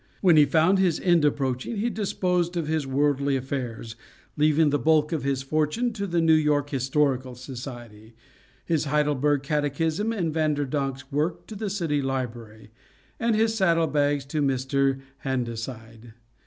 When he found his end approaching, he disposed of his worldly affairs, leaving the bulk of his fortune to the New York Historical Society; his Heidelberg Catechism and Vander Donck's work to the City Library; and his saddle bags to Mr. Handaside.